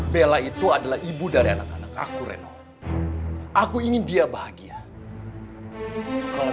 bella itu adalah ibu dari anak aku coron quando aku ingin dia bahagia kalau